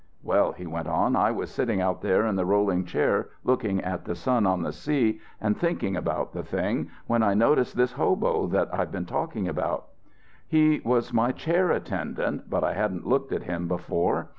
"Well," he went on, "I was sitting out there in the rolling chair, looking at the sun on the sea and thinking about the thing, when I noticed this hobo that I've been talking about. He was my chair attendant, but I hadn't looked at him before.